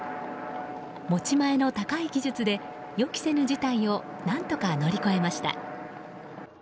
持ち前の高い技術で予期せぬ事態を何とか乗り越えました。